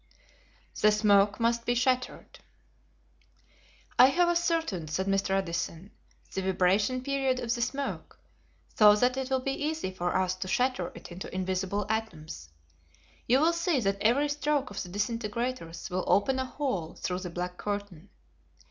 The Smoke Must Be Shattered. "I have ascertained," said Mr. Edison, "the vibration period of the smoke, so that it will be easy for us to shatter it into invisible atoms. You will see that every stroke of the disintegrators will open a hole through the black curtain.